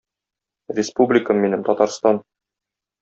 Республикам минем, Татарстан!